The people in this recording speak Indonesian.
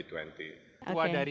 tua dari besa dua puluh